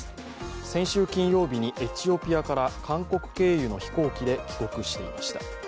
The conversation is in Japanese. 先週金曜日にエチオピアから韓国経由の飛行機で帰国していました。